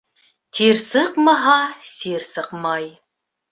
Тир сыҡмаһа, сир сыҡмай.